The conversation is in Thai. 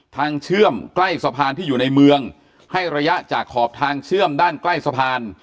เชื่อมใกล้สะพานที่อยู่ในเมืองให้ระยะจากขอบทางเชื่อมด้านใกล้สะพาน